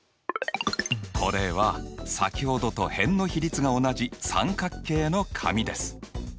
これは先ほどと辺の比率が同じ三角形の紙です。